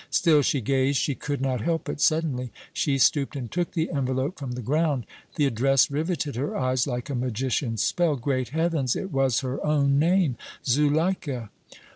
Still she gazed; she could not help it. Suddenly she stooped and took the envelope from the ground. The address riveted her eyes like a magician's spell. Great heavens! it was her own name Zuleika!